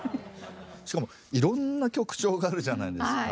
しかもいろんな曲調があるじゃないですか。